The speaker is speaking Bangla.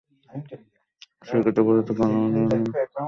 সৈকতে পড়ে থাকা আয়লানের নিথর দেহ বিশ্ব বিবেকে নাড়া দেয় প্রচণ্ডভাবে।